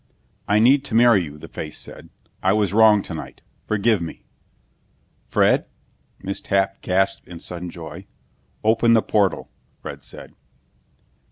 "I need to marry you," the face said. "I was wrong tonight. Forgive me." "Fred?" Miss Tapp gasped in sudden joy. "Open the portal," Fred said.